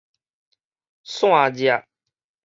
線跡